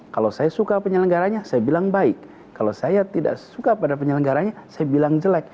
kalau saya suka penyelenggaranya saya bilang baik kalau saya tidak suka pada penyelenggaranya saya bilang jelek